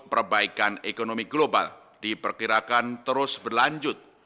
perbaikan ekonomi global diperkirakan terus berlanjut